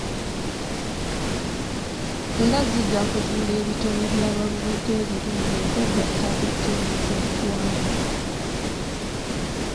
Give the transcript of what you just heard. era zijja kuzuula ebitone by'abavubuka ebirungi okwegatta ku ttiimu z'eggwanga.